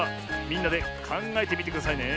みんなでかんがえてみてくださいね。